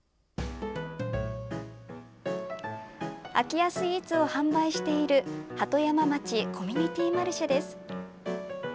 空家スイーツを販売している鳩山町コミュニティ・マルシェです。